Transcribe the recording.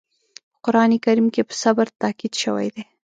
په قرآن کریم کې په صبر تاکيد شوی دی.